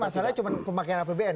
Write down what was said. jadi masalahnya cuma pemakaian apbn